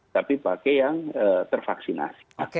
tapi pakai yang tervaksinasi